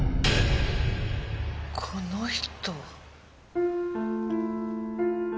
この人。